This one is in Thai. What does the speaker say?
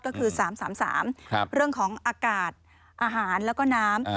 ก็คือ๓๓เรื่องของอากาศอาหารแล้วก็น้ำ